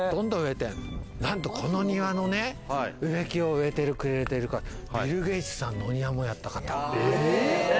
この庭の植木を植えてくれてる方、ビル・ゲイツさんのお庭もやった方。